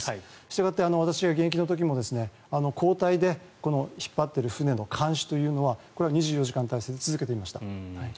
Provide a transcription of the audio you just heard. したがって私が現役の時も交代で引っ張っている船の監視というのは２４時間体制で続けていました。